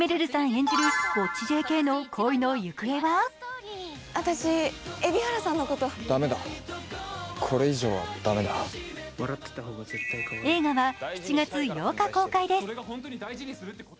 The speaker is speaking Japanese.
演じるぼっちＪＫの恋の行方は映画は７月８日公開です。